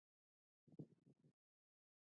آیا د کاشان ګلاب اوبه مشهورې نه دي؟